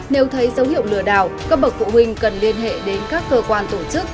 nếu thấy dấu hiệu lừa đảo các bậc phụ huynh cần liên hệ đến các cơ quan tổ chức